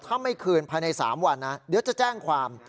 ถ้าไม่คืนภายใน๓วันนะเดี๋ยวจะแจ้งความ